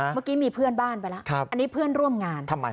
เมื่อกี้มีเพื่อนบ้านไปแล้วอันนี้เพื่อนร่วมงาน